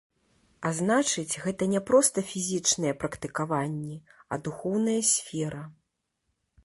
А значыць, гэта не проста фізічныя практыкаванні, а духоўная сфера.